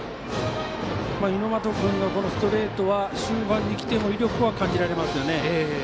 猪俣君のストレートは終盤にきても、威力は感じられますよね。